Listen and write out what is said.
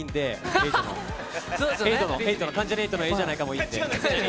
エイトの、関ジャニ∞のええじゃないかもいいんで。